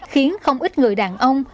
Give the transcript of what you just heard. khiến không ít người đàn ông